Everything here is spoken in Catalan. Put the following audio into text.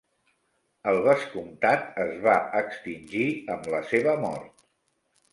El vescomtat es va extingir amb la seva mort.